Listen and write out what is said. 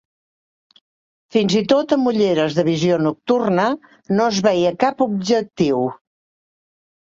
Fins i tot amb ulleres de visió nocturna, no es veia cap objectiu.